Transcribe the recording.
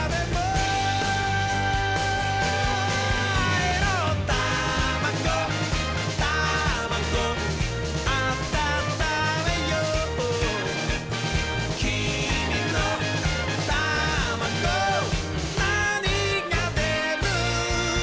「あいのタマゴタマゴ」「あたためよう」「きみのタマゴなにがでる？」